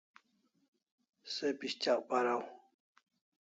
Se pishtyak paraw